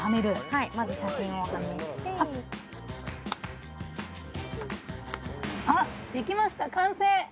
はいまず写真をはめてあっできました完成！